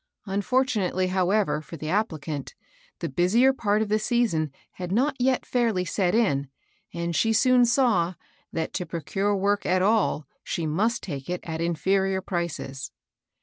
Unfortunately, how ever, for the applicant, the busier part of the season had not yet hxrlj set in, and she soon saw, that to procure work at all she must take it at inferior prices.